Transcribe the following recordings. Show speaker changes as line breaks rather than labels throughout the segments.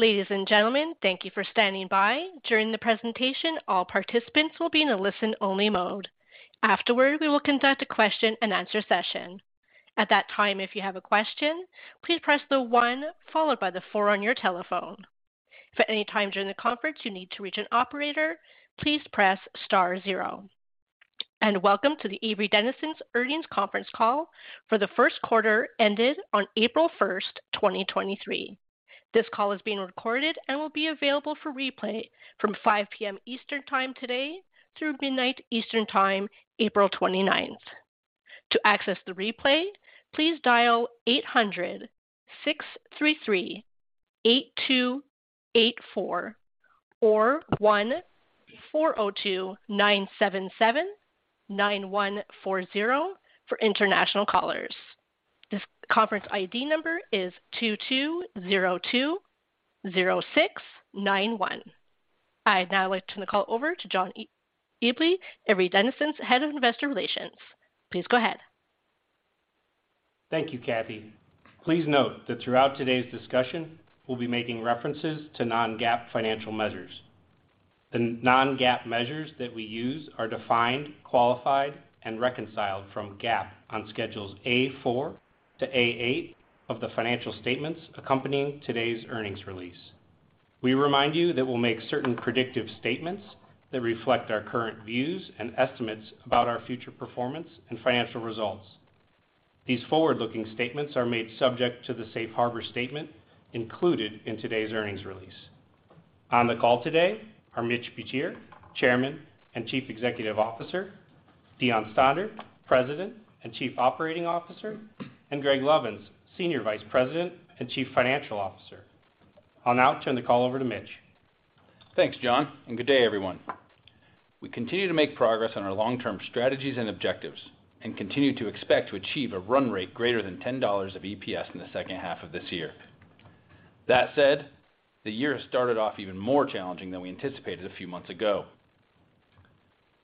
Ladies and gentlemen, thank you for standing by. During the presentation, all participants will be in a listen-only mode. Afterward, we will conduct a question-and-answer session. At that time, if you have a question, please press the one followed by the four on your telephone. If at any time during the conference you need to reach an operator, please press star zero. Welcome to the Avery Dennison's Earnings Conference Call for the first quarter ended on April 1st, 2023. This call is being recorded and will be available for replay from 5:00 P.M. Eastern time today through midnight Eastern time, April 29th. To access the replay, please dial 800-633-8284 or 1-402-977-9140 for international callers. This conference ID number is 22020691. I'd now like to turn the call over to John Eble, Avery Dennison's Head of Investor Relations. Please go ahead.
Thank you, Kathy. Please note that throughout today's discussion, we'll be making references to non-GAAP financial measures. The non-GAAP measures that we use are defined, qualified, and reconciled from GAAP on schedules A.4 to A.8 of the financial statements accompanying today's earnings release. We remind you that we'll make certain predictive statements that reflect our current views and estimates about our future performance and financial results. These forward-looking statements are made subject to the safe harbor statement included in today's earnings release. On the call today are Mitch Butier, Chairman and Chief Executive Officer; Deon Stander, President and Chief Operating Officer; and Greg Lovins, Senior Vice President and Chief Financial Officer. I'll now turn the call over to Mitch.
Thanks, John, and good day, everyone. We continue to make progress on our long-term strategies and objectives and continue to expect to achieve a run rate greater than $10 of EPS in the second half of this year. That said, the year has started off even more challenging than we anticipated a few months ago.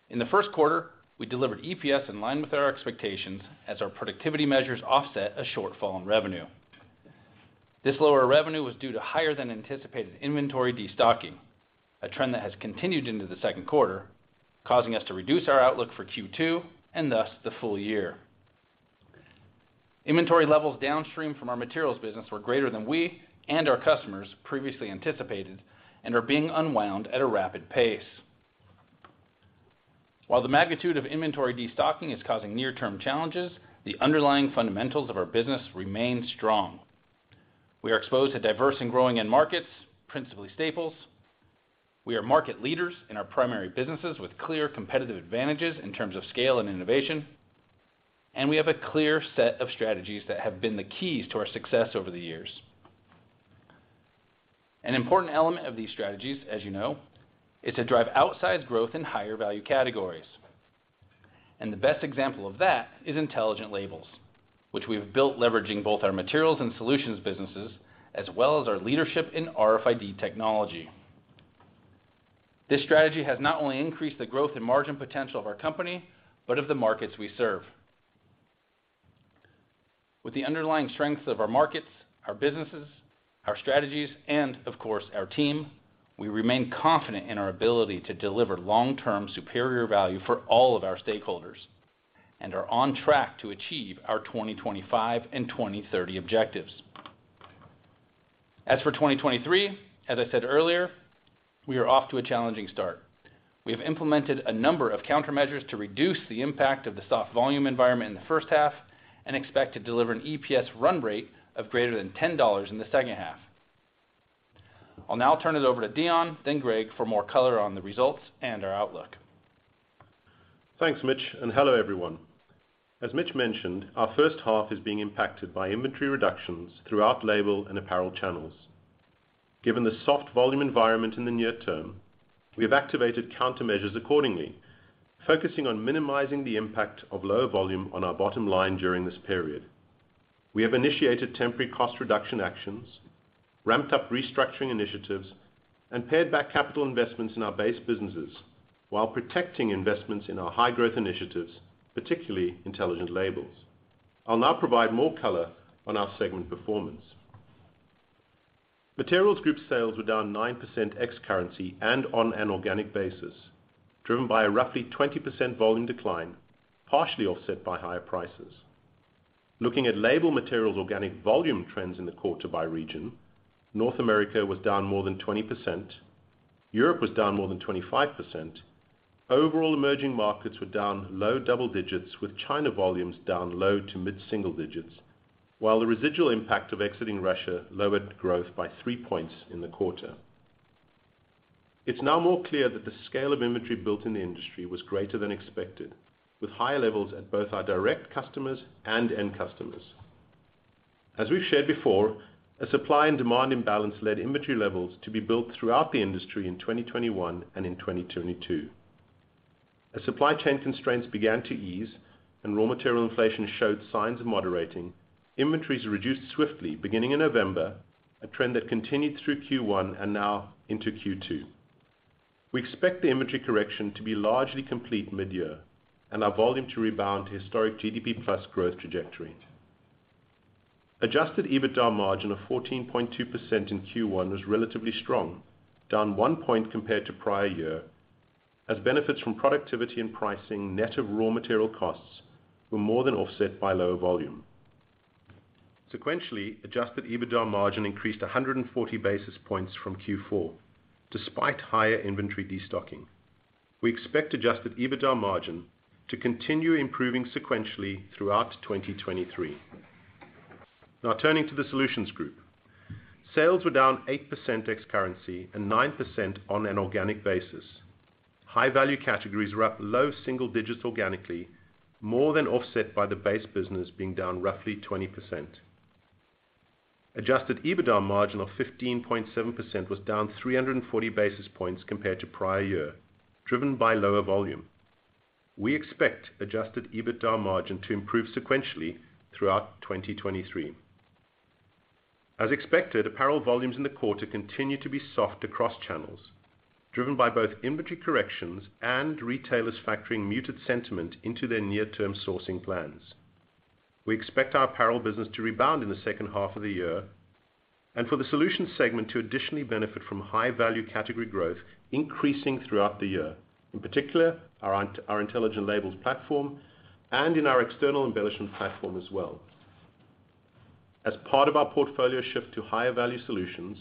In the first quarter, we delivered EPS in line with our expectations as our productivity measures offset a shortfall in revenue. This lower revenue was due to higher than anticipated inventory destocking, a trend that has continued into the second quarter, causing us to reduce our outlook for Q2, and thus the full year. Inventory levels downstream from our materials business were greater than we and our customers previously anticipated and are being unwound at a rapid pace. While the magnitude of inventory destocking is causing near-term challenges, the underlying fundamentals of our business remain strong. We are exposed to diverse and growing end markets, principally staples. We are market leaders in our primary businesses with clear competitive advantages in terms of scale and innovation. We have a clear set of strategies that have been the keys to our success over the years. An important element of these strategies, as you know, is to drive outsized growth in higher value categories. The best example of that is Intelligent Labels, which we've built leveraging both our materials and solutions businesses, as well as our leadership in RFID technology. This strategy has not only increased the growth and margin potential of our company, but of the markets we serve. With the underlying strengths of our markets, our businesses, our strategies, and of course, our team, we remain confident in our ability to deliver long-term superior value for all of our stakeholders and are on track to achieve our 2025 and 2030 objectives. For 2023, as I said earlier, we are off to a challenging start. We have implemented a number of countermeasures to reduce the impact of the soft volume environment in the first half and expect to deliver an EPS run rate of greater than $10 in the second half. I'll now turn it over to Deon, then Greg, for more color on the results and our outlook.
Thanks, Mitch. Hello, everyone. As Mitch mentioned, our first half is being impacted by inventory reductions throughout label and apparel channels. Given the soft volume environment in the near term, we have activated countermeasures accordingly, focusing on minimizing the impact of lower volume on our bottom line during this period. We have initiated temporary cost reduction actions, ramped up restructuring initiatives, and paid back capital investments in our base businesses while protecting investments in our high-growth initiatives, particularly Intelligent Labels. I'll now provide more color on our segment performance. Materials Group sales were down 9% ex-currency and on an organic basis, driven by a roughly 20% volume decline, partially offset by higher prices. Looking at label materials organic volume trends in the quarter by region, North America was down more than 20%. Europe was down more than 25%. Overall emerging markets were down low double digits, with China volumes down low to mid-single digits, while the residual impact of exiting Russia lowered growth by 3 points in the quarter. It's now more clear that the scale of inventory built in the industry was greater than expected, with higher levels at both our direct customers and end customers. As we've shared before, a supply and demand imbalance led inventory levels to be built throughout the industry in 2021 and in 2022. As supply chain constraints began to ease and raw material inflation showed signs of moderating, inventories reduced swiftly beginning in November, a trend that continued through Q1 and now into Q2. We expect the inventory correction to be largely complete mid-year and our volume to rebound to historic GDP plus growth trajectory. Adjusted EBITDA margin of 14.2% in Q1 was relatively strong, down 1% compared to prior year, as benefits from productivity and pricing net of raw material costs were more than offset by lower volume. Sequentially, adjusted EBITDA margin increased 140 basis points from Q4, despite higher inventory destocking. We expect adjusted EBITDA margin to continue improving sequentially throughout 2023. Now, turning to the Solutions Group. Sales were down 8% ex currency and 9% on an organic basis. High value categories were up low single digits organically, more than offset by the base business being down roughly 20%. Adjusted EBITDA margin of 15.7% was down 340 basis points compared to prior year, driven by lower volume. We expect adjusted EBITDA margin to improve sequentially throughout 2023. As expected, apparel volumes in the quarter continue to be soft across channels, driven by both inventory corrections and retailers factoring muted sentiment into their near-term sourcing plans. We expect our apparel business to rebound in the second half of the year and for the Solutions segment to additionally benefit from high value category growth increasing throughout the year, in particular, our Intelligent Labels platform and in our external embellishment platform as well. As part of our portfolio shift to higher value solutions,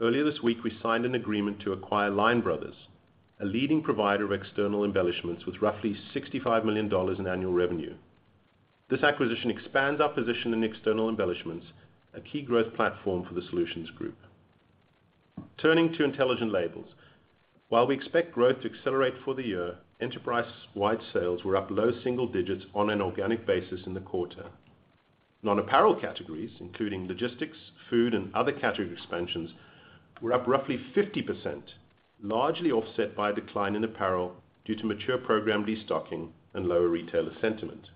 earlier this week, we signed an agreement to acquire Lion Brothers, a leading provider of external embellishments with roughly $65 million in annual revenue. This acquisition expands our position in external embellishments, a key growth platform for the Solutions Group. Turning to Intelligent Labels. While we expect growth to accelerate for the year, enterprise-wide sales were up low single digits on an organic basis in the quarter. Non-apparel categories, including logistics, food, and other category expansions, were up roughly 50%, largely offset by a decline in apparel due to mature program destocking and lower retailer sentiment.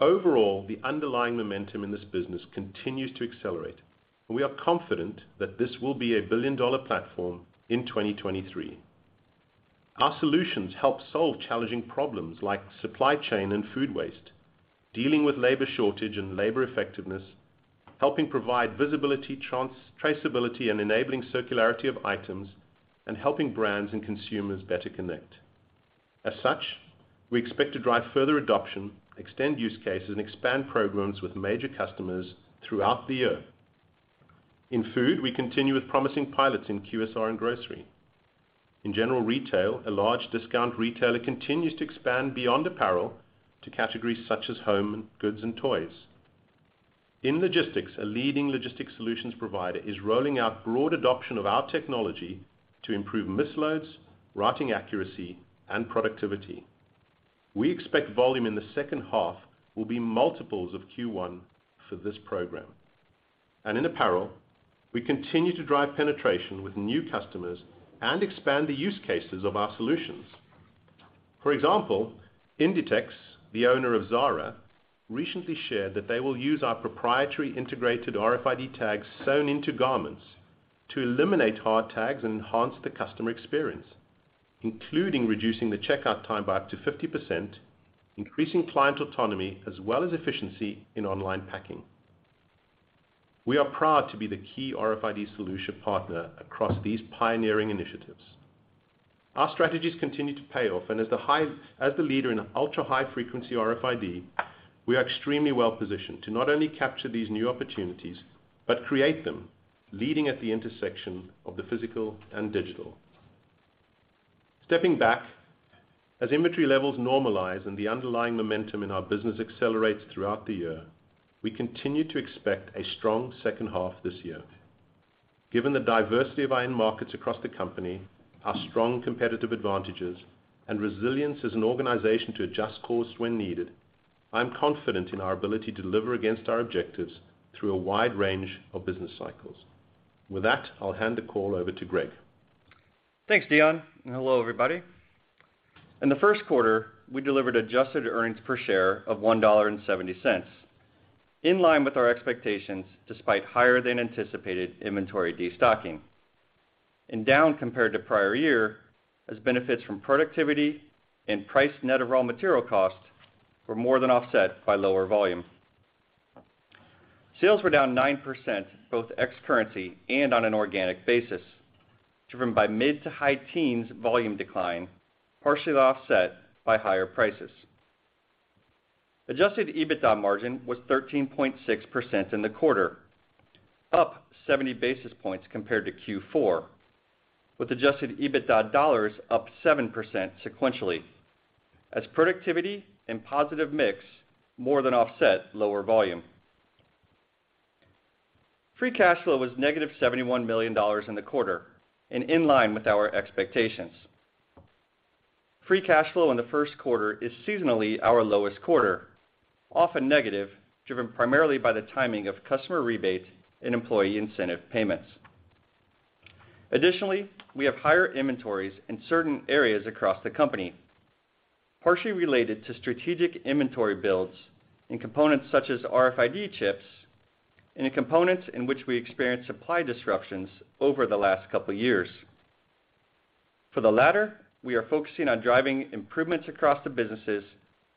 Overall, the underlying momentum in this business continues to accelerate. We are confident that this will be a billion-dollar platform in 2023. Our solutions help solve challenging problems like supply chain and food waste, dealing with labor shortage and labor effectiveness, helping provide visibility, trans-traceability, and enabling circularity of items, and helping brands and consumers better connect. As such, we expect to drive further adoption, extend use cases, and expand programs with major customers throughout the year. In food, we continue with promising pilots in QSR and grocery. In general retail, a large discount retailer continues to expand beyond apparel to categories such as home and goods and toys. In logistics, a leading logistics solutions provider is rolling out broad adoption of our technology to improve misloads, routing accuracy, and productivity. We expect volume in the second half will be multiples of Q1 for this program. In apparel, we continue to drive penetration with new customers and expand the use cases of our solutions. For example, Inditex, the owner of Zara, recently shared that they will use our proprietary integrated RFID tags sewn into garments to eliminate hard tags and enhance the customer experience, including reducing the checkout time by up to 50%, increasing client autonomy, as well as efficiency in online packing. We are proud to be the key RFID solution partner across these pioneering initiatives. Our strategies continue to pay off, as the leader in Ultra-High Frequency RFID, we are extremely well positioned to not only capture these new opportunities but create them, leading at the intersection of the physical and digital. Stepping back, as inventory levels normalize and the underlying momentum in our business accelerates throughout the year, we continue to expect a strong second half this year. Given the diversity of our end markets across the company, our strong competitive advantages, and resilience as an organization to adjust course when needed, I'm confident in our ability to deliver against our objectives through a wide range of business cycles. With that, I'll hand the call over to Greg.
Thanks, Deon. Hello, everybody. In the first quarter, we delivered adjusted EPS of $1.70, in line with our expectations despite higher than anticipated inventory destocking and down compared to prior year as benefits from productivity and price net of raw material costs were more than offset by lower volume. Sales were down 9%, both ex currency and on an organic basis, driven by mid to high teens volume decline, partially offset by higher prices. Adjusted EBITDA margin was 13.6% in the quarter, up 70 basis points compared to Q4, with adjusted EBITDA dollars up 7% sequentially as productivity and positive mix more than offset lower volume. Free cash flow was -$71 million in the quarter, in line with our expectations. Free cash flow in the first quarter is seasonally our lowest quarter, often negative, driven primarily by the timing of customer rebates and employee incentive payments. Additionally, we have higher inventories in certain areas across the company. Partially related to strategic inventory builds in components such as RFID chips and in components in which we experience supply disruptions over the last couple years. For the latter, we are focusing on driving improvements across the businesses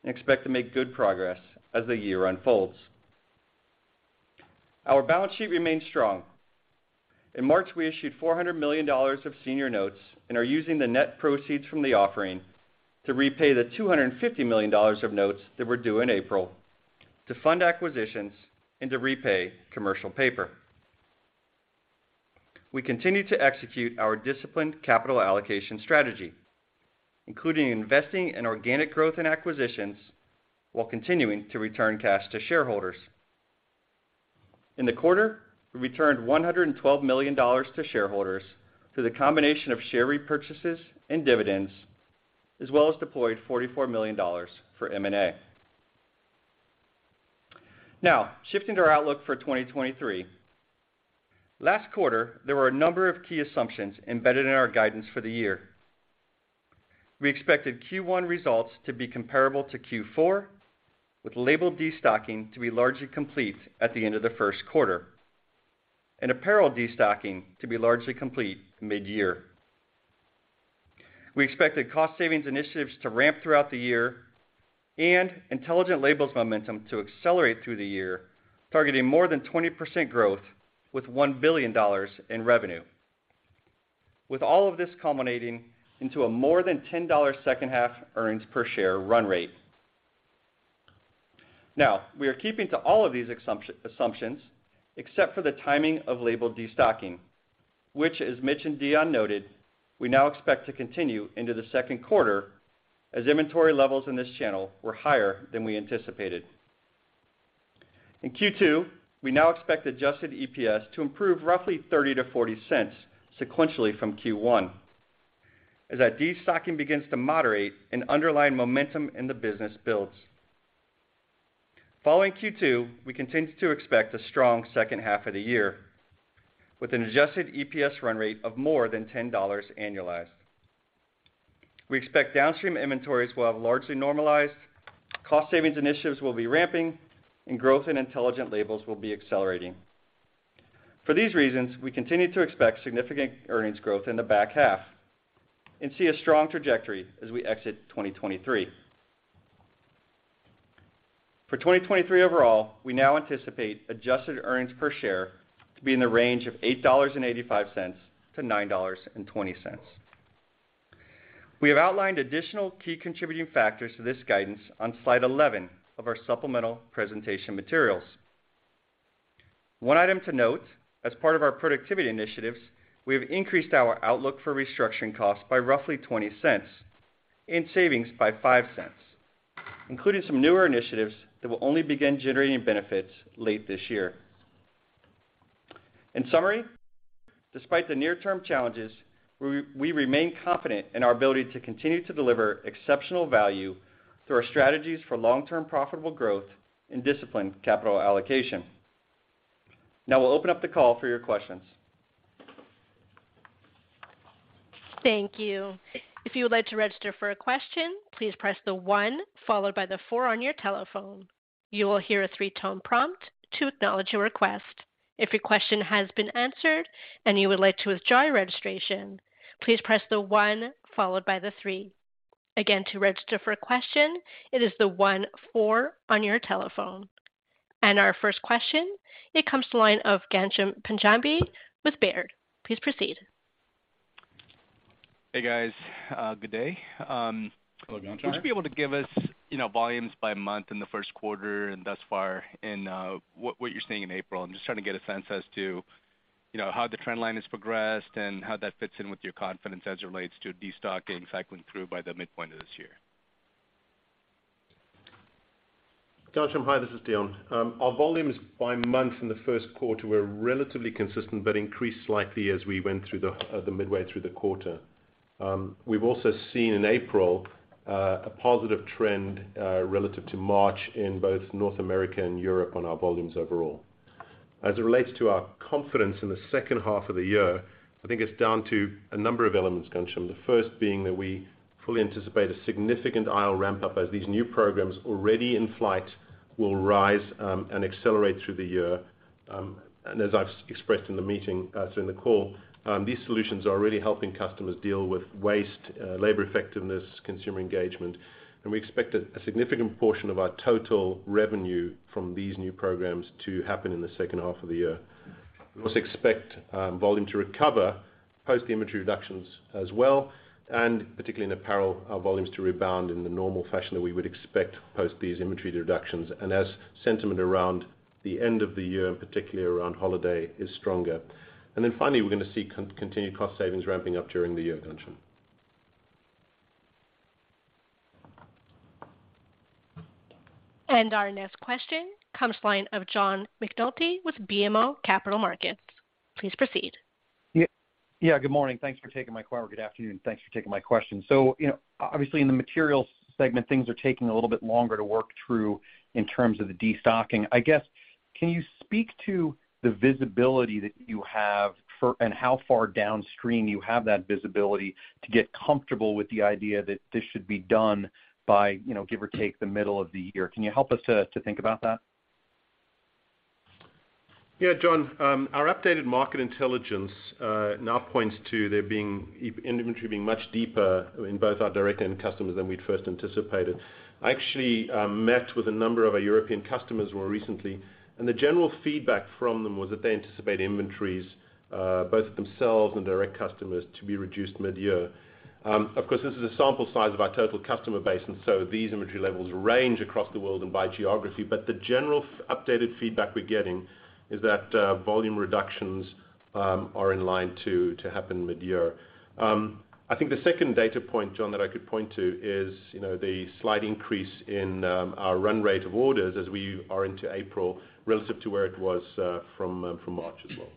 and expect to make good progress as the year unfolds. Our balance sheet remains strong. In March, we issued $400 million of senior notes and are using the net proceeds from the offering to repay the $250 million of notes that were due in April, to fund acquisitions, and to repay commercial paper. We continue to execute our disciplined capital allocation strategy, including investing in organic growth and acquisitions while continuing to return cash to shareholders. In the quarter, we returned $112 million to shareholders through the combination of share repurchases and dividends, as well as deployed $44 million for M&A. Shifting to our outlook for 2023. Last quarter, there were a number of key assumptions embedded in our guidance for the year. We expected Q1 results to be comparable to Q4, with label destocking to be largely complete at the end of the first quarter and apparel destocking to be largely complete mid-year. We expected cost savings initiatives to ramp throughout the year and Intelligent Labels momentum to accelerate through the year, targeting more than 20% growth with $1 billion in revenue, with all of this culminating into a more than $10 second half earnings per share run rate. We are keeping to all of these assumptions except for the timing of label destocking, which, as Mitch and Deon noted, we now expect to continue into the second quarter as inventory levels in this channel were higher than we anticipated. In Q2, we now expect adjusted EPS to improve roughly $0.30-$0.40 sequentially from Q1 as that destocking begins to moderate and underlying momentum in the business builds. Following Q2, we continue to expect a strong second half of the year with an adjusted EPS run rate of more than $10 annualized. We expect downstream inventories will have largely normalized, cost savings initiatives will be ramping, and growth in Intelligent Labels will be accelerating. For these reasons, we continue to expect significant earnings growth in the back half and see a strong trajectory as we exit 2023. For 2023 overall, we now anticipate adjusted earnings per share to be in the range of $8.85-$9.20. We have outlined additional key contributing factors to this guidance on slide 11 of our supplemental presentation materials. One item to note, as part of our productivity initiatives, we have increased our outlook for restructuring costs by roughly $0.20 and savings by $0.05, including some newer initiatives that will only begin generating benefits late this year. In summary, despite the near-term challenges, we remain confident in our ability to continue to deliver exceptional value through our strategies for long-term profitable growth and disciplined capital allocation. We'll open up the call for your questions.
Thank you. If you would like to register for a question, please press the one followed by the four on your telephone. You will hear a three-tone prompt to acknowledge your request. If your question has been answered and you would like to withdraw your registration, please press the one followed by the three. Again, to register for a question, it is the one, four on your telephone. Our first question, it comes to the line of Ghansham Panjabi with Baird. Please proceed.
Hey, guys. Good day.
Hello, Ghansham.
Would you be able to give us, you know, volumes by month in the first quarter and thus far and what you're seeing in April? I'm just trying to get a sense as to, you know, how the trend line has progressed and how that fits in with your confidence as it relates to destocking cycling through by the midpoint of this year.
Ghansham, hi. This is Deon. Our volumes by month in the first quarter were relatively consistent but increased slightly as we went through the midway through the quarter. We've also seen in April, a positive trend, relative to March in both North America and Europe on our volumes overall. As it relates to our confidence in the second half of the year, I think it's down to a number of elements, Ghansham. The first being that we fully anticipate a significant IL ramp-up as these new programs already in flight will rise and accelerate through the year. As I've expressed in the meeting, through in the call, these solutions are really helping customers deal with waste, labor effectiveness, consumer engagement, we expect a significant portion of our total revenue from these new programs to happen in the second half of the year. We also expect volume to recover post the inventory reductions as well, and particularly in apparel, our volumes to rebound in the normal fashion that we would expect post these inventory reductions and as sentiment around the end of the year, and particularly around holiday, is stronger. Finally, we're gonna see continued cost savings ramping up during the year, Ghansham Panjabi.
Our next question comes line of John McNulty with BMO Capital Markets. Please proceed.
Yeah. Yeah, good morning. Thanks for taking my call, or good afternoon. Thanks for taking my question. You know, obviously in the materials segment, things are taking a little bit longer to work through in terms of the destocking. I guess, can you speak to the visibility that you have for, and how far downstream you have that visibility to get comfortable with the idea that this should be done by, you know, give or take the middle of the year? Can you help us to think about that?
Yeah, John, our updated market intelligence now points to there being inventory being much deeper in both our direct end customers than we'd first anticipated. I actually met with a number of our European customers more recently, and the general feedback from them was that they anticipate inventories, both themselves and direct customers to be reduced midyear. Of course, this is a sample size of our total customer base, these inventory levels range across the world and by geography. The general updated feedback we're getting is that volume reductions are in line to happen midyear. I think the second data point, John, that I could point to is, you know, the slight increase in our run rate of orders as we are into April relative to where it was from March as well.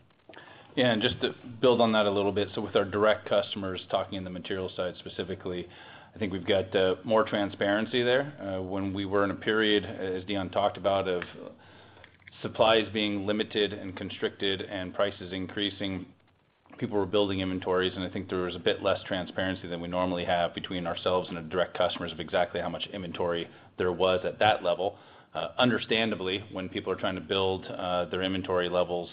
Yeah, just to build on that a little bit, so with our direct customers talking in the materials side specifically, I think we've got more transparency there. When we were in a period, as Deon talked about, of supplies being limited and constricted and prices increasing, people were building inventories, and I think there was a bit less transparency than we normally have between ourselves and the direct customers of exactly how much inventory there was at that level. Understandably, when people are trying to build their inventory levels,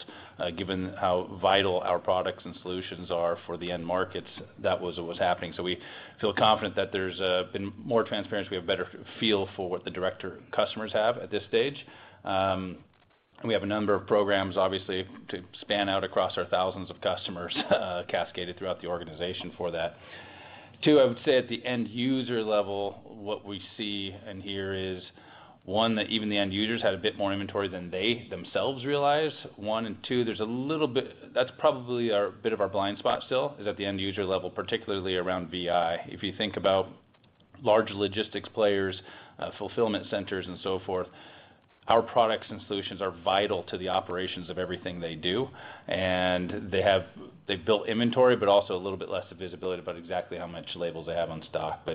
given how vital our products and solutions are for the end markets, that was what was happening. We feel confident that there's been more transparency. We have a better feel for what the direct customers have at this stage. We have a number of programs, obviously, to span out across our thousands of customers, cascaded throughout the organization for that. Two, I would say at the end user level, what we see and hear is, one, that even the end users had a bit more inventory than they themselves realized, one. Two, that's probably a bit of our blind spot still is at the end user level, particularly around VI. If you think about large logistics players, fulfillment centers and so forth, our products and solutions are vital to the operations of everything they do. They have, they've built inventory, but also a little bit less of visibility about exactly how much labels they have on stock.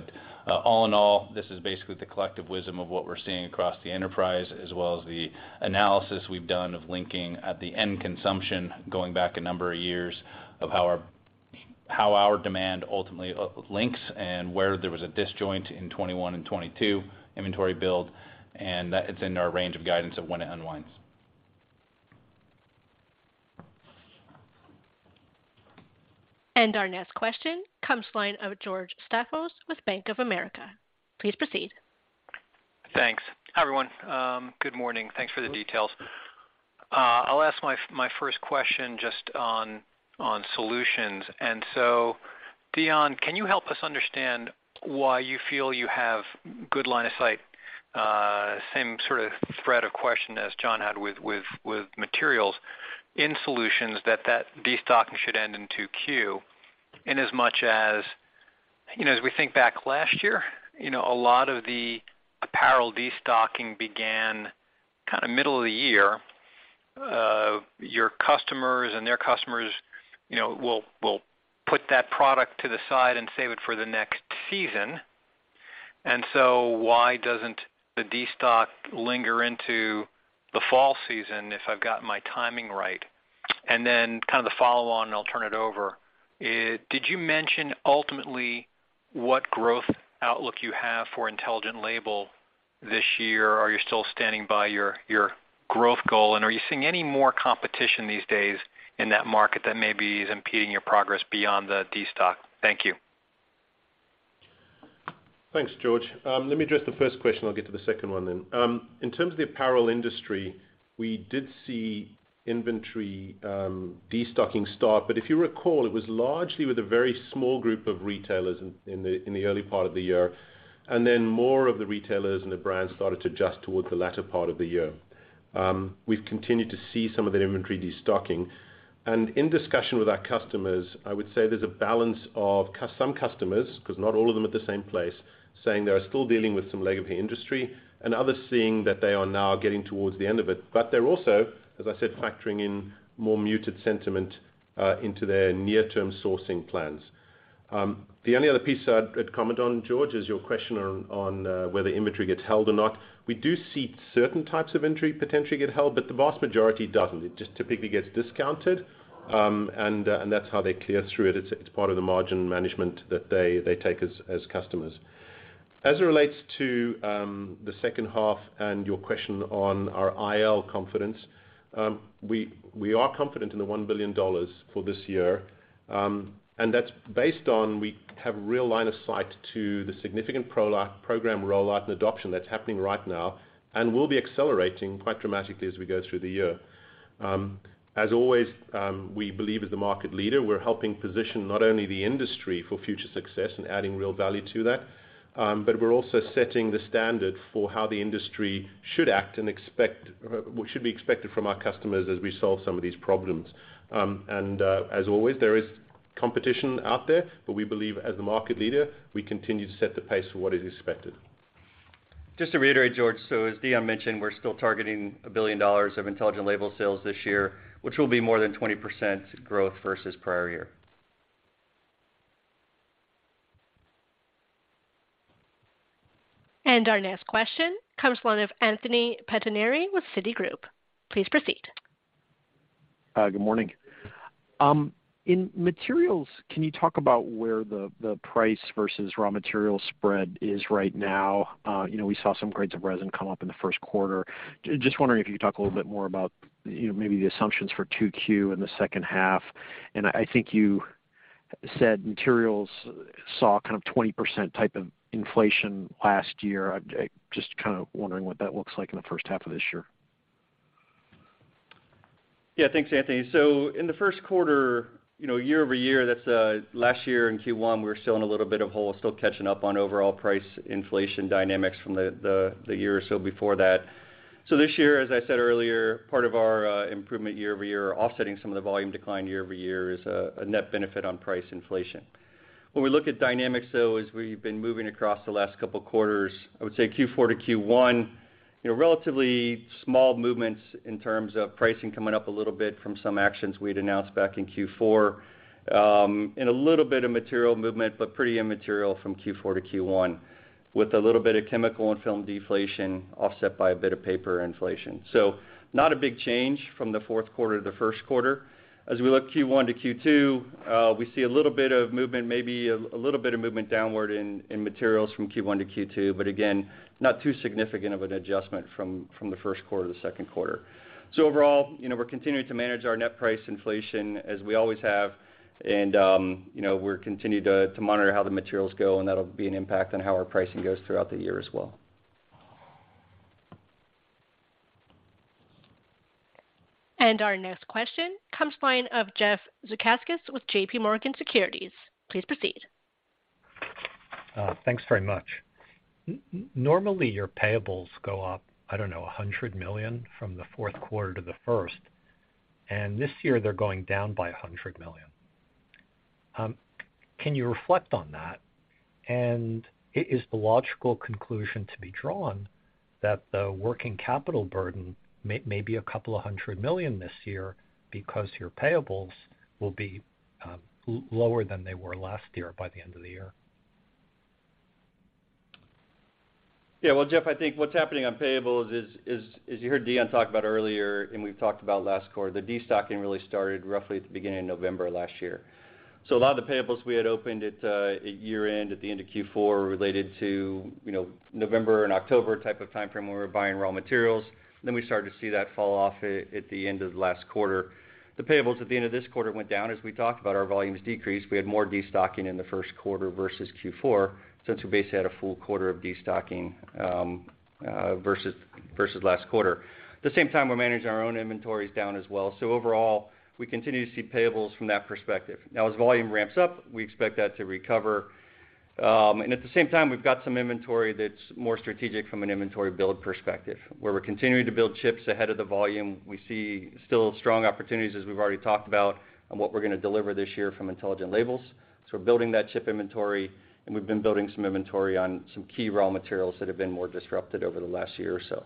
All in all, this is basically the collective wisdom of what we're seeing across the enterprise as well as the analysis we've done of linking at the end consumption going back a number of years of how our demand ultimately links and where there was a disjoint in 2021 and 2022 inventory build, and that it's in our range of guidance of when it unwinds.
Our next question comes line of George Staphos with Bank of America. Please proceed.
Thanks. Hi, everyone. Good morning. Thanks for the details. I'll ask my first question just on solutions. Deon Stander, can you help us understand why you feel you have good line of sight, same sort of thread of question as John had with materials in solutions that destocking should end in 2Q? In as much as, you know, as we think back last year, you know, a lot of the apparel destocking began kinda middle of the year. Your customers and their customers, you know, will put that product to the side and save it for the next season. Why doesn't the destock linger into the fall season if I've got my timing right? kind of the follow on, I'll turn it over, did you mention ultimately what growth outlook you have for Intelligent Labels this year? Are you still standing by your growth goal? Are you seeing any more competition these days in that market that maybe is impeding your progress beyond the destock? Thank you.
Thanks, George. Let me address the first question, I'll get to the second one then. In terms of the apparel industry, we did see inventory, destocking start, but if you recall, it was largely with a very small group of retailers in the, in the early part of the year, and then more of the retailers and the brands started to adjust towards the latter part of the year. We've continued to see some of that inventory destocking. In discussion with our customers, I would say there's a balance of some customers, 'cause not all of them at the same place, saying they are still dealing with some leg of the industry and others seeing that they are now getting towards the end of it. They're also, as I said, factoring in more muted sentiment, into their near-term sourcing plans. The only other piece I'd comment on, George, is your question on whether inventory gets held or not. We do see certain types of inventory potentially get held, but the vast majority doesn't. It just typically gets discounted, and that's how they clear through it. It's part of the margin management that they take as customers. As it relates to the second half and your question on our IL confidence, we are confident in the $1 billion for this year. And that's based on we have real line of sight to the significant program rollout and adoption that's happening right now and will be accelerating quite dramatically as we go through the year. As always, we believe as the market leader, we're helping position not only the industry for future success and adding real value to that, but we're also setting the standard for how the industry should act and should be expected from our customers as we solve some of these problems. As always, there is competition out there, but we believe as the market leader, we continue to set the pace for what is expected.
Just to reiterate, George, as Deon mentioned, we're still targeting $1 billion of Intelligent Labels sales this year, which will be more than 20% growth versus prior year.
Our next question comes from Anthony Pettinari with Citigroup. Please proceed.
Good morning. In materials, can you talk about where the price versus raw material spread is right now? Just wondering if you could talk a little bit more about, you know, maybe the assumptions for 2Q in the second half. I think you said materials saw kind of 20% type of inflation last year. Just wondering what that looks like in the first half of this year.
Yeah. Thanks, Anthony. In the first quarter, you know, year-over-year, that's last year in Q1, we're still in a little bit of hole, still catching up on overall price inflation dynamics from the year or so before that. This year, as I said earlier, part of our improvement year-over-year, offsetting some of the volume decline year-over-year is a net benefit on price inflation. When we look at dynamics, though, as we've been moving across the last couple of quarters, I would say Q4 to Q1, you know, relatively small movements in terms of pricing coming up a little bit from some actions we'd announced back in Q4, and a little bit of material movement, but pretty immaterial from Q4 to Q1, with a little bit of chemical and film deflation offset by a bit of paper inflation. Not a big change from the fourth quarter to the first quarter. As we look Q1 to Q2, we see a little bit of movement, maybe a little bit of movement downward in materials from Q1 to Q2. Again, not too significant of an adjustment from the first quarter to the second quarter. Overall, you know, we're continuing to manage our net price inflation as we always have, and, you know, we're continuing to monitor how the materials go, and that'll be an impact on how our pricing goes throughout the year as well.
Our next question comes line of Jeff Zekauskas with JPMorgan Securities LLC. Please proceed.
Thanks very much. normally, your payables go up, I don't know, $100 million from the fourth quarter to the first, and this year they're going down by $100 million. Can you reflect on that? Is the logical conclusion to be drawn that the working capital burden may be a couple of hundred million this year because your payables will be lower than they were last year by the end of the year?
Yeah. Well, Jeff, I think what's happening on payables is, as you heard Deon talk about earlier, and we've talked about last quarter, the destocking really started roughly at the beginning of November last year. A lot of the payables we had opened at year-end, at the end of Q4 were related to, you know, November and October type of timeframe where we're buying raw materials. We started to see that fall off at the end of the last quarter. The payables at the end of this quarter went down as we talked about our volumes decreased. We had more destocking in the first quarter versus Q4, since we basically had a full quarter of destocking versus last quarter. At the same time, we're managing our own inventories down as well. Overall, we continue to see payables from that perspective. Now, as volume ramps up, we expect that to recover. At the same time, we've got some inventory that's more strategic from an inventory build perspective, where we're continuing to build chips ahead of the volume. We see still strong opportunities, as we've already talked about, on what we're gonna deliver this year from Intelligent Labels. We're building that chip inventory, and we've been building some inventory on some key raw materials that have been more disrupted over the last year or so.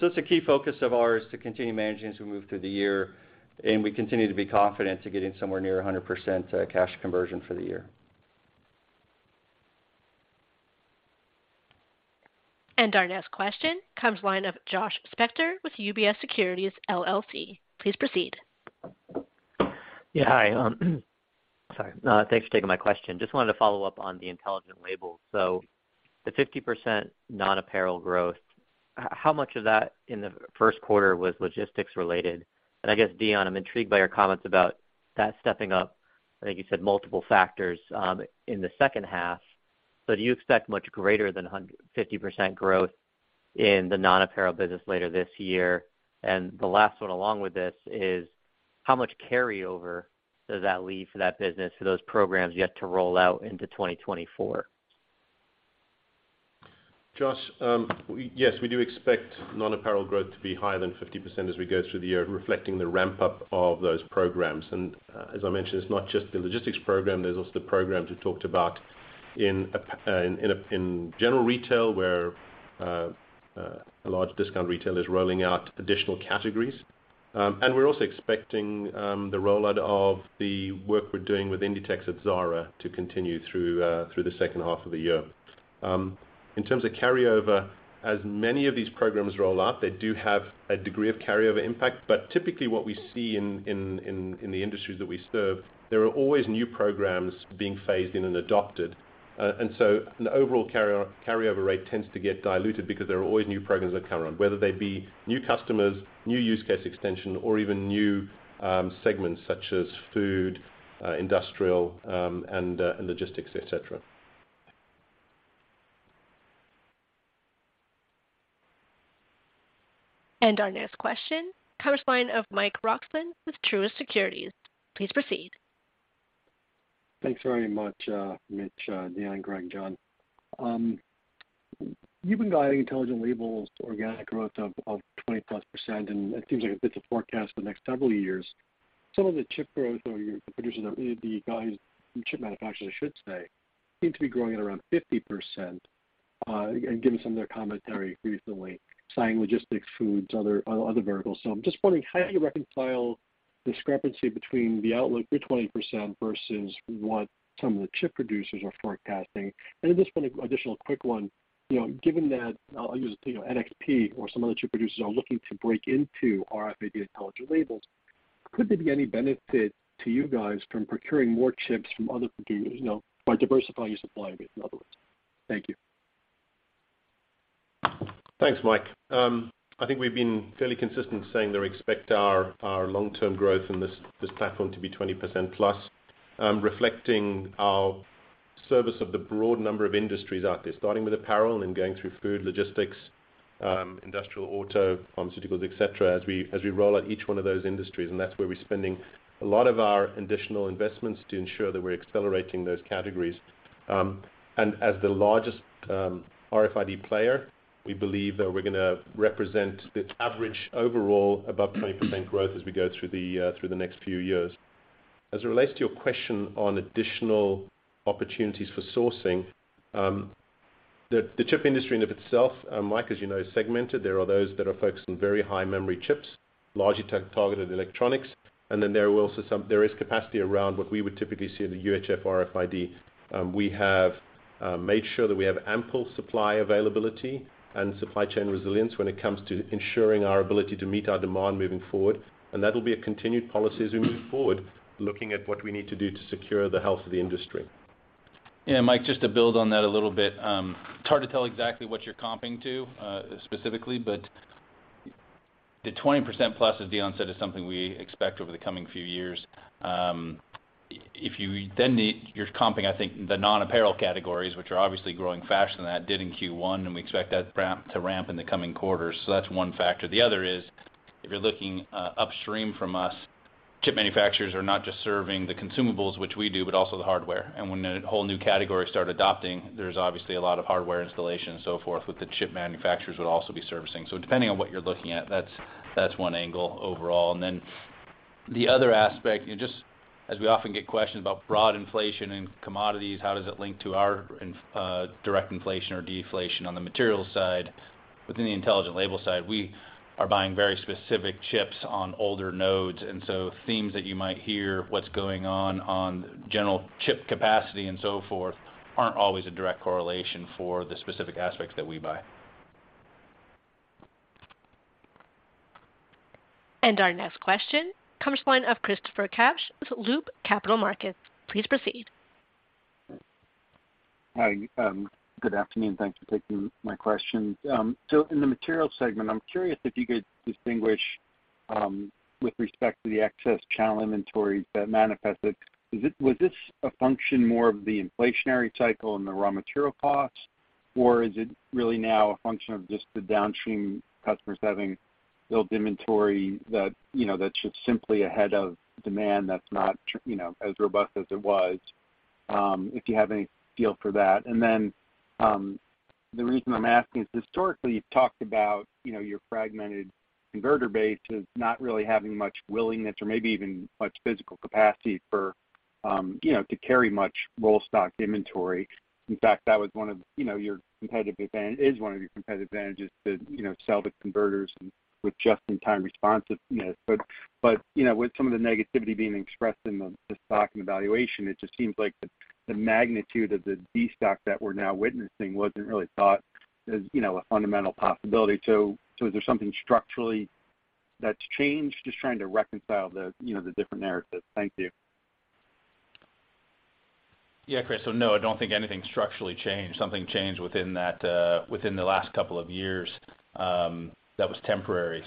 It's a key focus of ours to continue managing as we move through the year, and we continue to be confident to getting somewhere near 100% cash conversion for the year.
Our next question comes line of Josh Spector with UBS Securities LLC. Please proceed.
Yeah. Hi. Sorry. Thanks for taking my question. Just wanted to follow up on the Intelligent Labels. The 50% non-apparel growth, how much of that in the first quarter was logistics related? I guess, Deon Stander, I'm intrigued by your comments about that stepping up. I think you said multiple factors in the second half. Do you expect much greater than a 50% growth in the non-apparel business later this year? The last one along with this is how much carryover does that leave for that business for those programs yet to roll out into 2024?
Josh, yes, we do expect non-apparel growth to be higher than 50% as we go through the year, reflecting the ramp-up of those programs. As I mentioned, it's not just the logistics program, there's also the program we talked about in general retail, where a large discount retailer is rolling out additional categories. We're also expecting the rollout of the work we're doing with Inditex at Zara to continue through the second half of the year. In terms of carryover, as many of these programs roll out, they do have a degree of carryover impact. Typically what we see in the industries that we serve, there are always new programs being phased in and adopted. An overall carryover rate tends to get diluted because there are always new programs that come around, whether they be new customers, new use case extension, or even new segments such as food, industrial, and logistics, et cetera.
Our next question comes line of Mike Roxland with Truist Securities. Please proceed.
Thanks very much, Mitch, Deon, Greg, John. You've been guiding Intelligent Labels to organic growth of 20%+, and it seems like it fits the forecast for the next several years. Some of the chip growth or your producers are the guys from chip manufacturers, I should say, seem to be growing at around 50%, given some of their commentary recently, saying logistics, foods, other verticals. I'm just wondering how you reconcile discrepancy between the outlook for 20% versus what some of the chip producers are forecasting. Just one additional quick one. You know, given that, I'll use, you know, NXP or some other chip producers are looking to break into RFID Intelligent Labels. Could there be any benefit to you guys from procuring more chips from other computers, you know, or diversify your supply a bit, in other words? Thank you.
Thanks, Mike. I think we've been fairly consistent saying that expect our long-term growth in this platform to be 20%+ reflecting our service of the broad number of industries out there, starting with apparel and going through food logistics, industrial auto, pharmaceuticals, et cetera, as we roll out each one of those industries. That's where we're spending a lot of our additional investments to ensure that we're accelerating those categories. As the largest RFID player, we believe that we're gonna represent the average overall above 20% growth as we go through the next few years. As it relates to your question on additional opportunities for sourcing, the chip industry in of itself, Mike, as you know, is segmented. There are those that are focused on very high memory chips, largely tech targeted electronics. There is capacity around what we would typically see in the UHF RFID. We have made sure that we have ample supply availability and supply chain resilience when it comes to ensuring our ability to meet our demand moving forward. That'll be a continued policy as we move forward, looking at what we need to do to secure the health of the industry.
Yeah, Mike, just to build on that a little bit. It's hard to tell exactly what you're comping to specifically, but the 20%+, as Deon said, is something we expect over the coming few years. You're comping, I think, the non-apparel categories, which are obviously growing faster than that did in Q1, we expect that ramp to ramp in the coming quarters. That's one factor. The other is, if you're looking upstream from us, chip manufacturers are not just serving the consumables, which we do, but also the hardware. When a whole new category start adopting, there's obviously a lot of hardware installation and so forth, with the chip manufacturers would also be servicing. Depending on what you're looking at, that's one angle overall. The other aspect, and just as we often get questions about broad inflation and commodities, how does it link to our direct inflation or deflation on the materials side? Within the Intelligent Labels side, we are buying very specific chips on older nodes. Themes that you might hear, what's going on on general chip capacity and so forth aren't always a direct correlation for the specific aspects that we buy.
Our next question comes from line of Christopher Kapsch with Loop Capital Markets. Please proceed.
Hi. Good afternoon. Thanks for taking my questions. In the Materials segment, I'm curious if you could distinguish, with respect to the excess channel inventory that manifested, was this a function more of the inflationary cycle and the raw material costs, or is it really now a function of just the downstream customers having built inventory that, you know, that's just simply ahead of demand that's not you know, as robust as it was, if you have any feel for that? The reason I'm asking is, historically, you've talked about, you know, your fragmented converter base as not really having much willingness or maybe even much physical capacity for, you know, to carry much roll stock inventory. In fact, that was one of, you know, your competitive advantages to, you know, sell to converters and with just-in-time responsiveness. You know, with some of the negativity being expressed in the stock and evaluation, it just seems like the magnitude of the destock that we're now witnessing wasn't really thought as, you know, a fundamental possibility. Is there something structurally that's changed? Just trying to reconcile the, you know, the different narratives. Thank you.
Yeah, Chris. No, I don't think anything structurally changed. Something changed within that, within the last couple of years, that was temporary.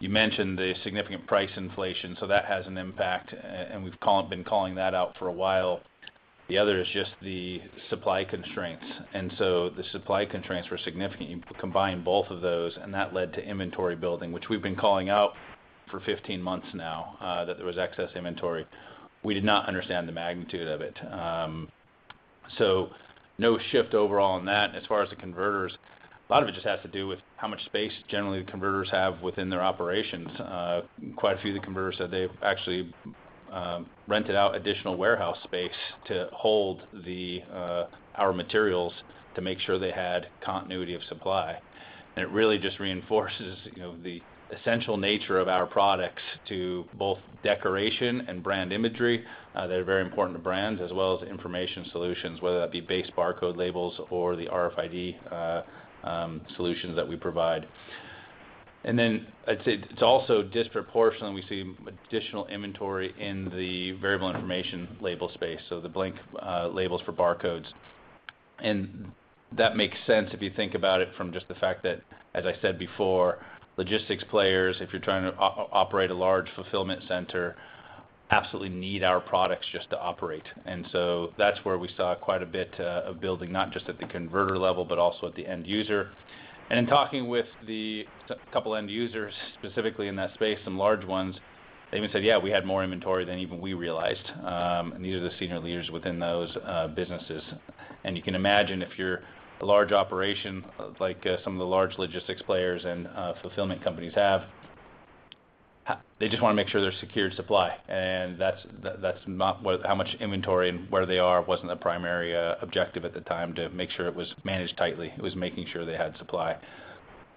You mentioned the significant price inflation, so that has an impact, and we've been calling that out for a while. The other is just the supply constraints. The supply constraints were significant. You combine both of those, and that led to inventory building, which we've been calling out for 15 months now, that there was excess inventory. We did not understand the magnitude of it. No shift overall on that. As far as the converters, a lot of it just has to do with how much space generally the converters have within their operations. Quite a few of the converters said they've actually, rented out additional warehouse space to hold our materials to make sure they had continuity of supply. It really just reinforces, you know, the essential nature of our products to both decoration and brand imagery. They're very important to brands as well as information solutions, whether that be base barcode labels or the RFID solutions that we provide. I'd say it's also disproportionate when we see additional inventory in the variable information label space, so the blank labels for barcodes. That makes sense if you think about it from just the fact that, as I said before, logistics players, if you're trying to operate a large fulfillment center, absolutely need our products just to operate. That's where we saw quite a bit of building, not just at the converter level, but also at the end user. In talking with the couple end users, specifically in that space, some large ones, they even said, "Yeah, we had more inventory than even we realized," and these are the senior leaders within those businesses. You can imagine if you're a large operation, like some of the large logistics players and fulfillment companies have, they just wanna make sure they're secured supply. That's not how much inventory and where they are wasn't the primary objective at the time to make sure it was managed tightly. It was making sure they had supply.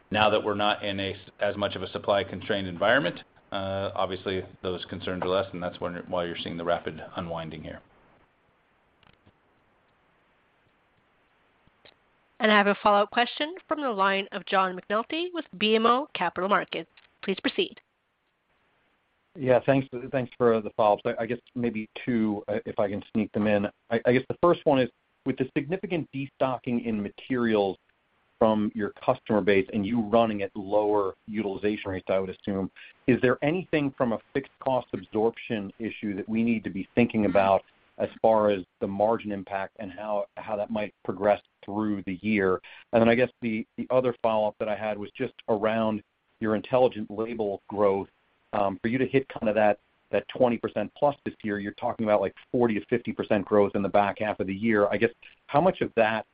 Now that we're not in a as much of a supply constrained environment, obviously those concerns are less. That's why you're seeing the rapid unwinding here.
I have a follow-up question from the line of John McNulty with BMO Capital Markets. Please proceed.
Yeah, thanks for the follow-up. I guess maybe two, if I can sneak them in. I guess the first one is with the significant destocking in materials from your customer base and you running at lower utilization rates, I would assume, is there anything from a fixed cost absorption issue that we need to be thinking about as far as the margin impact and how that might progress through the year? Then I guess the other follow-up that I had was just around your Intelligent Labels growth. For you to hit kind of that 20%+ this year, you're talking about like 40%-50% growth in the back half of the year. I guess how much of that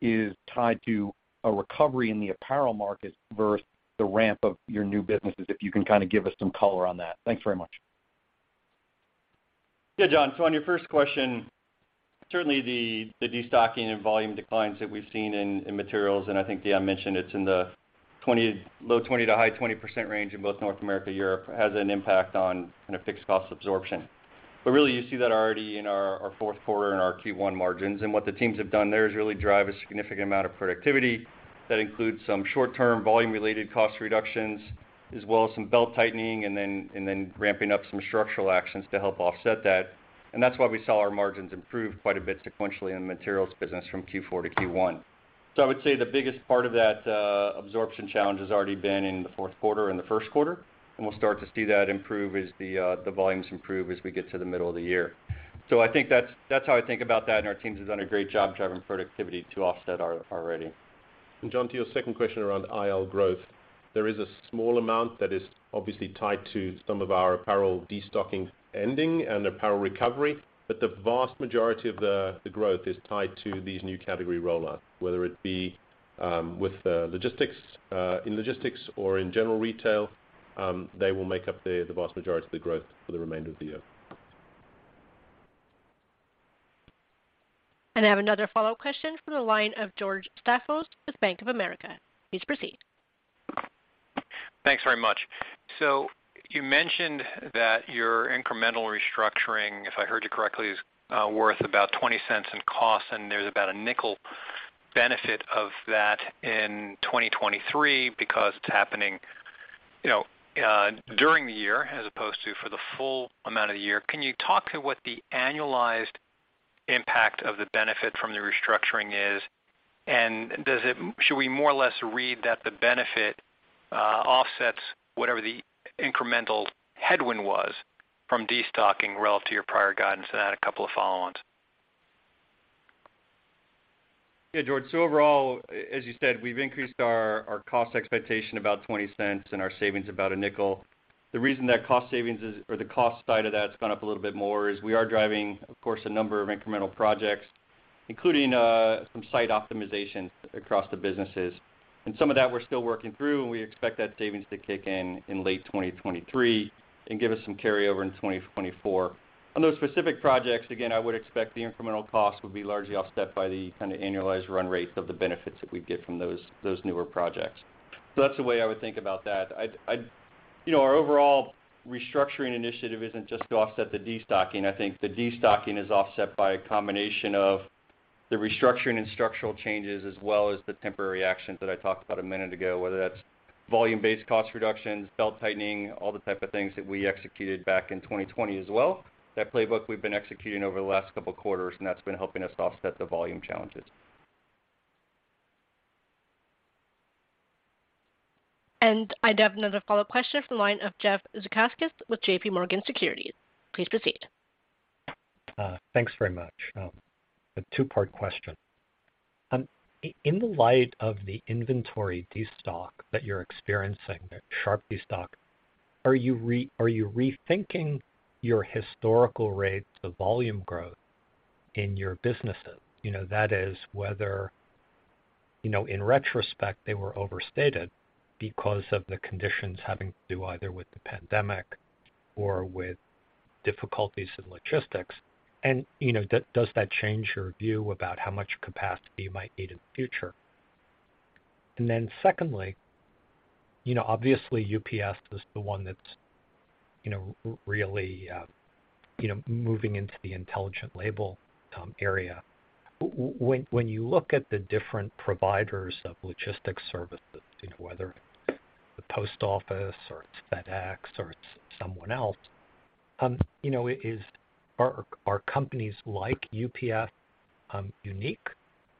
is tied to a recovery in the apparel market versus the ramp of your new businesses, if you can kind of give us some color on that? Thanks very much.
Yeah, John. On your first question, certainly the destocking and volume declines that we've seen in materials, and I think Deon mentioned it's in the low 20%-high 20% range in both North America, Europe, has an impact on kind of fixed cost absorption. Really, you see that already in our fourth quarter and our Q1 margins. What the teams have done there is really drive a significant amount of productivity that includes some short-term volume-related cost reductions as well as some belt tightening and then ramping up some structural actions to help offset that. That's why we saw our margins improve quite a bit sequentially in the materials business from Q4 to Q1. I would say the biggest part of that absorption challenge has already been in the fourth quarter and the first quarter, and we'll start to see that improve as the volumes improve as we get to the middle of the year. I think that's how I think about that, and our teams have done a great job driving productivity to offset our rating.
John, to your second question around IL growth, there is a small amount that is obviously tied to some of our apparel destocking ending and apparel recovery, but the vast majority of the growth is tied to these new category rollouts. Whether it be with logistics or in logistics or in general retail, they will make up the vast majority of the growth for the remainder of the year.
I have another follow-up question from the line of George Staphos with Bank of America. Please proceed.
Thanks very much. You mentioned that your incremental restructuring, if I heard you correctly, is worth about $0.20 in cost, and there's about a $0.05 benefit of that in 2023 because it's happening, you know, during the year as opposed to for the full amount of the year. Can you talk to what the annualized impact of the benefit from the restructuring is? Should we more or less read that the benefit offsets whatever the incremental headwind was from destocking relative to your prior guidance? I had a couple of follow-ons.
Yeah, George. Overall, as you said, we've increased our cost expectation about $0.20 and our savings about $0.05. The reason that cost savings is, or the cost side of that's gone up a little bit more is we are driving, of course, a number of incremental projects, including some site optimization across the businesses. Some of that we're still working through, and we expect that savings to kick in in late 2023 and give us some carryover in 2024. On those specific projects, again, I would expect the incremental cost would be largely offset by the kind of annualized run rates of the benefits that we'd get from those newer projects. That's the way I would think about that. You know, our overall restructuring initiative isn't just to offset the destocking. I think the destocking is offset by a combination of the restructuring and structural changes as well as the temporary actions that I talked about a minute ago, whether that's volume-based cost reductions, belt-tightening, all the type of things that we executed back in 2020 as well. That playbook we've been executing over the last couple quarters, and that's been helping us offset the volume challenges.
I have another follow-up question from the line of Jeff Zekauskas with JPMorgan Securities LLC. Please proceed.
Thanks very much. A two-part question. In the light of the inventory destock that you're experiencing, the sharp destock, are you rethinking your historical rates of volume growth in your businesses? You know, that is whether, you know, in retrospect, they were overstated because of the conditions having to do either with the pandemic or with difficulties in logistics. You know, does that change your view about how much capacity you might need in the future? Secondly, you know, obviously UPS is the one that's, you know, really, you know, moving into the Intelligent Labels area. When you look at the different providers of logistics services, you know, whether it's the post office or it's FedEx or it's someone else, you know, Are companies like UPS unique,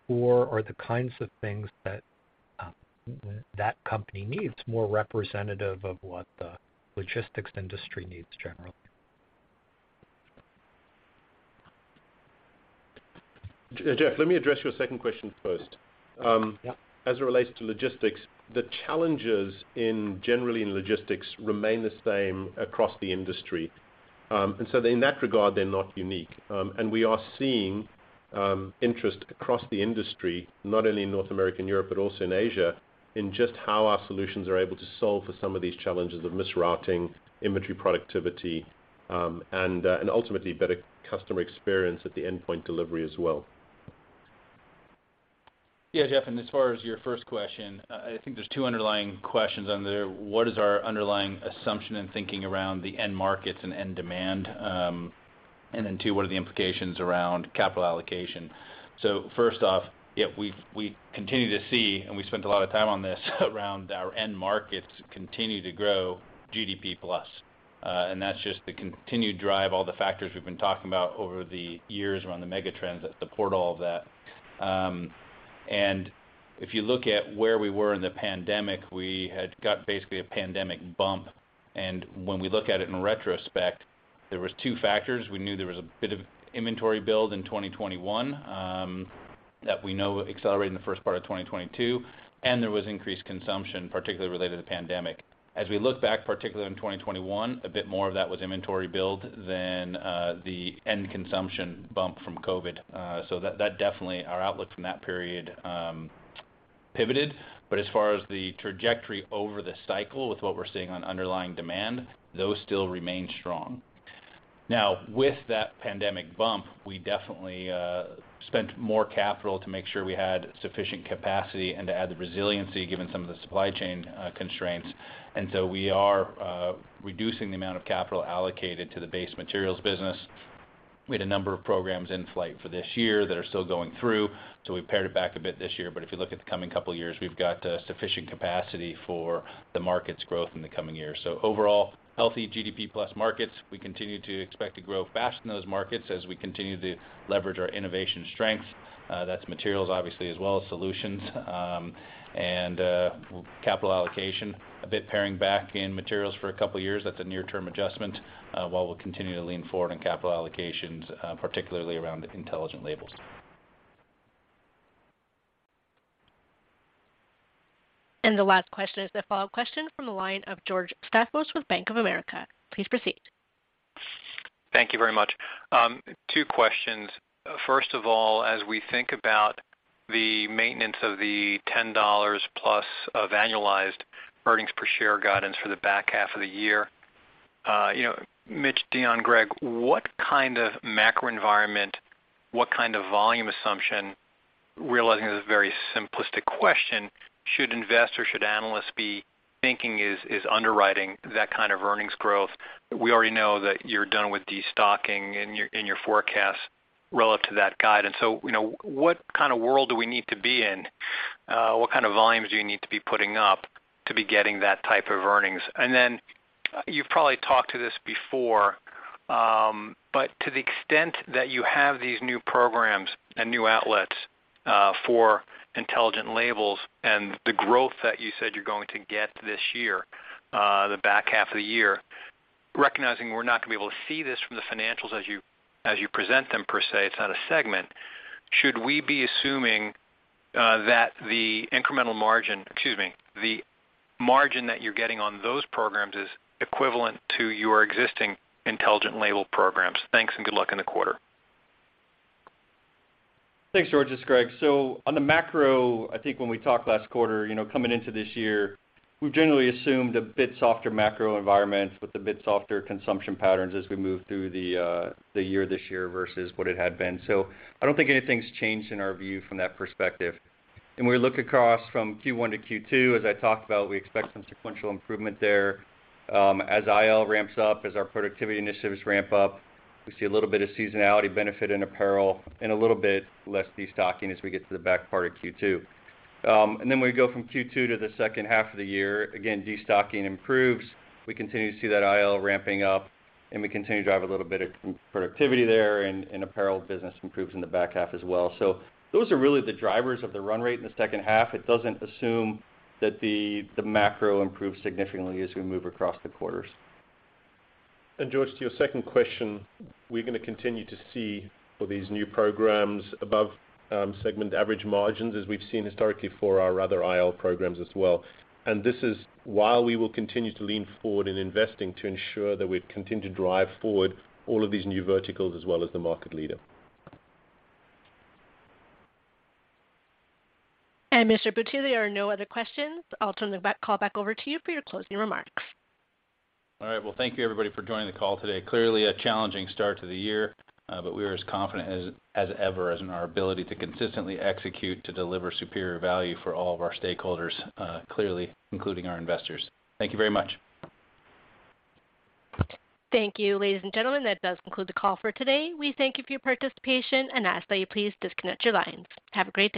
or are the kinds of things that company needs more representative of what the logistics industry needs generally?
Jeff, let me address your second question first.
Yeah.
As it relates to logistics, the challenges in, generally in logistics remain the same across the industry. In that regard, they're not unique. We are seeing interest across the industry, not only in North America and Europe, but also in Asia, in just how our solutions are able to solve for some of these challenges of misrouting, inventory productivity, and ultimately better customer experience at the endpoint delivery as well.
Yeah, Jeff, as far as your first question, I think there's two underlying questions on there. What is our underlying assumption and thinking around the end markets and end demand?
Then two, what are the implications around capital allocation? First off, we continue to see, and we spent a lot of time on this around our end markets continue to grow GDP plus. That's just the continued drive, all the factors we've been talking about over the years around the mega trends that support all of that. If you look at where we were in the pandemic, we had got basically a pandemic bump. When we look at it in retrospect, there was two factors. We knew there was a bit of inventory build in 2021, that we know accelerated in the first part of 2022, and there was increased consumption, particularly related to the pandemic. As we look back, particularly in 2021, a bit more of that was inventory build than the end consumption bump from COVID. That definitely our outlook from that period pivoted. As far as the trajectory over the cycle with what we're seeing on underlying demand, those still remain strong. Now, with that pandemic bump, we definitely spent more capital to make sure we had sufficient capacity and to add the resiliency given some of the supply chain constraints. We are reducing the amount of capital allocated to the base materials business. We had a number of programs in flight for this year that are still going through, so we pared it back a bit this year. If you look at the coming two years, we've got sufficient capacity for the market's growth in the coming years. Overall, healthy GDP plus markets. We continue to expect to grow fast in those markets as we continue to leverage our innovation strengths. That's materials obviously as well as solutions. Capital allocation, a bit pairing back in materials for a couple of years. That's a near term adjustment, while we'll continue to lean forward in capital allocations, particularly around Intelligent Labels.
The last question is the follow-up question from the line of George Staphos with Bank of America. Please proceed.
Thank you very much. Two questions. First of all, as we think about the maintenance of the $10+ of annualized earnings per share guidance for the back half of the year, you know, Mitch, Deon, Greg, what kind of macro environment, what kind of volume assumption, realizing this is a very simplistic question, should investors, should analysts be thinking is underwriting that kind of earnings growth? We already know that you're done with destocking in your forecast relative to that guidance. You know, what kind of world do we need to be in? What kind of volumes do you need to be putting up to be getting that type of earnings? You've probably talked to this before, but to the extent that you have these new programs and new outlets for Intelligent Labels and the growth that you said you're going to get this year, the back half of the year, recognizing we're not gonna be able to see this from the financials as you present them per se, it's not a segment. Should we be assuming that the incremental margin, excuse me, the margin that you're getting on those programs is equivalent to your existing Intelligent Label programs? Thanks. Good luck in the quarter.
Thanks, George, it's Greg. On the macro, I think when we talked last quarter, you know, coming into this year, we've generally assumed a bit softer macro environment with a bit softer consumption patterns as we move through the year this year versus what it had been. I don't think anything's changed in our view from that perspective. We look across from Q1 to Q2, as I talked about, we expect some sequential improvement there. As IL ramps up, as our productivity initiatives ramp up, we see a little bit of seasonality benefit in apparel and a little bit less destocking as we get to the back part of Q2. We go from Q2 to the second half of the year. Again, destocking improves. We continue to see that IL ramping up, and we continue to drive a little bit of productivity there and apparel business improves in the back half as well. Those are really the drivers of the run rate in the second half. It doesn't assume that the macro improves significantly as we move across the quarters.
George, to your second question, we're gonna continue to see these new programs above segment average margins as we've seen historically for our other IL programs as well. This is while we will continue to lean forward in investing to ensure that we continue to drive forward all of these new verticals as well as the market leader.
Mr. Butier, there are no other questions. I'll turn the call back over to you for your closing remarks.
All right. Well, thank you everybody for joining the call today. Clearly a challenging start to the year, but we are as confident as ever as in our ability to consistently execute to deliver superior value for all of our stakeholders, clearly, including our investors. Thank you very much.
Thank you. Ladies and gentlemen, that does conclude the call for today. We thank you for your participation and ask that you please disconnect your lines. Have a great day.